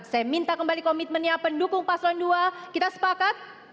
saya minta kembali komitmennya pendukung paslon dua kita sepakat